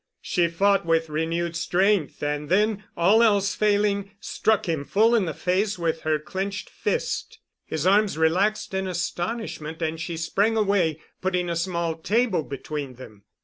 She fought with renewed strength and then, all else failing, struck him full in the face with her clenched fist. His arms relaxed in astonishment and she sprang away, putting a small table between them.